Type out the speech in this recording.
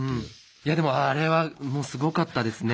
いやでもあれはすごかったですね。